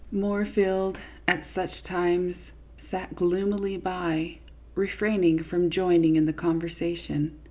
Moorfield, at such times, sat gloomily by, refrain ing from joining in the conversation.